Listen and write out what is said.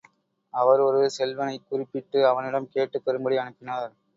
அவர் ஒரு செல்வனைக் குறிப்பிட்டு அவனிடம் கேட்டுப் பெறும்படி அனுப்பினார்.